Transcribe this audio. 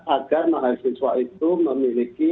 agar mahasiswa itu memiliki